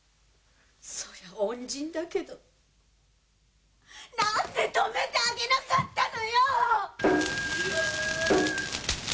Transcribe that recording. そりゃ恩人だけどなんで止めてあげなかったのよ！